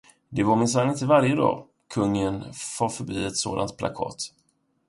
Det är minsann inte varje dag, kungen far förbi ett sådant plakat.